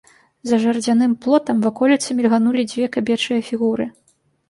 За жардзяным плотам ваколіцы мільганулі дзве кабечыя фігуры.